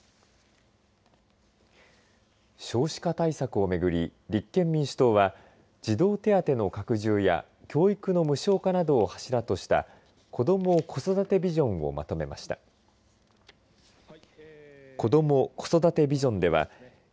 少子化対策を巡り立憲民主党は児童手当の拡充や教育の無償化などを柱とした子ども・子育てビジョンをまとめました。